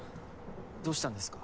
どうしたんですか？